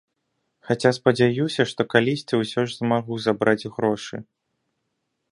Хаця спадзяюся, што калісьці ўсё ж змагу забраць грошы.